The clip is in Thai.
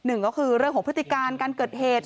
หนึ่งก็คือเรื่องของพฤติการการเกิดเหตุ